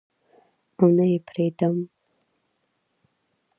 او نه یې پریدم